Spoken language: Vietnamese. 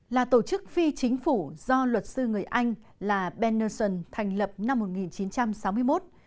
là tổ chức phi chính phủ do luật sư người anh là ben nelson thành lập năm một nghìn chín trăm sáu mươi một